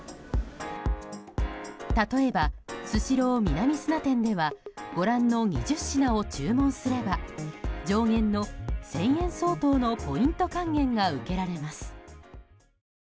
例えばスシロー南砂店ではご覧の２０品を注文すれば上限の１０００円相当のポイント還元が受けられます。